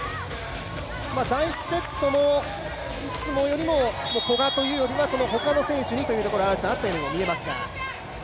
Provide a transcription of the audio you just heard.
第１セットもいつもよりも古賀というよりは他の選手にというところはあったように見えますが。